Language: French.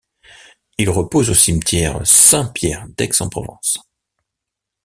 Il repose au cimetière Saint-Pierre d'Aix-en-Provence.